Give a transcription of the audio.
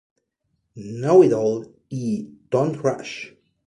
Know It All y Don't Rush.